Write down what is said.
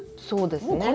そうですね。